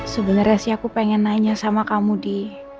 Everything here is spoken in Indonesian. sebenarnya sih aku pengen nanya sama kamu di